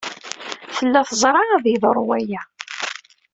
Tella teẓra ad yeḍru waya.